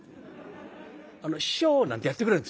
「師匠」なんてやってくれるんですよ。